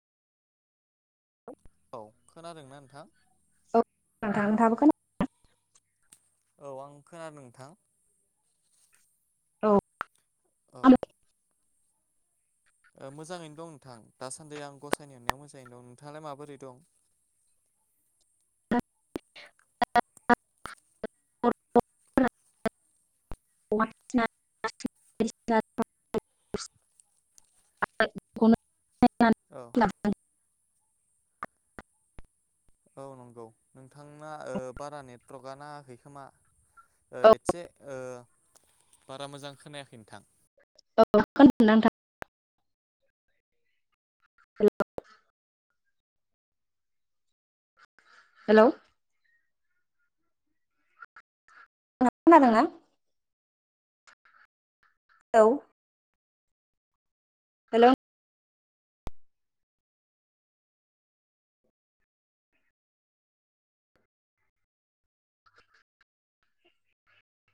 Hello. औ खोनादों ना नोंथां। औ नोंथां नोथांआबोखोन औ आं खोनादों नोंथां। औ। औ ओ मोजाङैनो दं नोंथां दासान्दि आं गसायनि अनायाव मोजाङै दं। नोंथाङालाय माबोरै दं? [inaudible] [unintelligible] [unintelligible] [inaudible] औ। ला [inaudible] औ नंगौ। नोंथांना ओ बारा नेटवर्कआ नाङाखै खोमा। ओ औ एसे ओ बारा मोजां खोनायाखै नोंथां। औ खोनादोंना नोंथां? हेल'। हेलौ। नोंथांआ खोनादों ना। हेलौ। हेलौ।